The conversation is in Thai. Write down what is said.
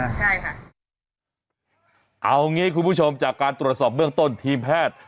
ใช่ค่ะเอางี้คุณผู้ชมจากการตรวจสอบเบื้องต้นทีมแพทย์